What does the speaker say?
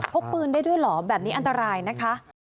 กปืนได้ด้วยเหรอแบบนี้อันตรายนะคะ